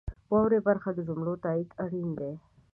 واورئ برخه کې د جملو تایید اړین دی.